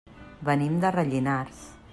Venim de Rellinars.